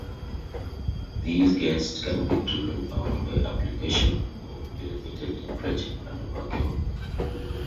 These guests can be driven out by application of elevated temperature and a vacuum.